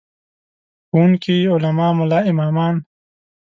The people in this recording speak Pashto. ښوونکي، علما، ملا امامان.